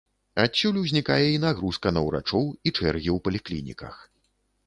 Адсюль узнікае і нагрузка на ўрачоў, і чэргі ў паліклініках.